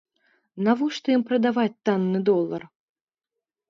Навошта ім прадаваць танны долар?